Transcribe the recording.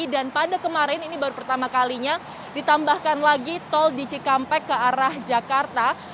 dan pada kemarin ini baru pertama kalinya ditambahkan lagi tol di cikampek ke arah jakarta